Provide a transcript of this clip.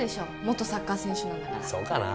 元サッカー選手なんだからそうかな？